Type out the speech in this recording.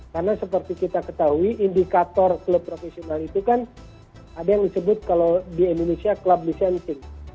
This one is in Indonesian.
karena seperti kita ketahui indikator klub profesional itu kan ada yang disebut kalau di indonesia club licensing